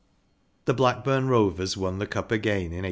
The Blackburn Rovers won the Cup again in 1886.